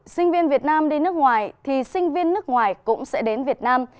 sinh viên việt nam đi nước ngoài thì sinh viên nước ngoài cũng sẽ đến việt nam